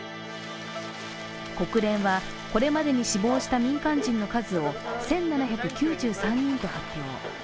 国連は、これまでに死亡した民間人の数を１７９３人と発表。